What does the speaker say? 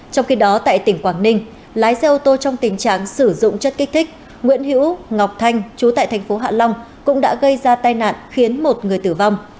trong khi đó tại tỉnh quảng ninh lái xe ô tô trong tình trạng sử dụng chất kích thích nguyễn hữu ngọc thanh chú tại thành phố hạ long cũng đã gây ra tai nạn khiến một người tử vong